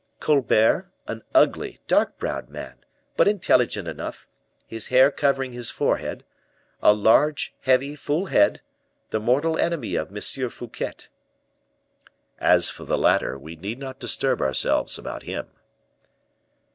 "Colbert, an ugly, dark browed man, but intelligent enough, his hair covering his forehead, a large, heavy, full head; the mortal enemy of M. Fouquet." "As for the latter, we need not disturb ourselves about him."